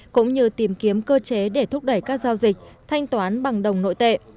cũng như tìm kiếm cơ chế để thúc đẩy các giao dịch thanh toán bằng đồng nội tệ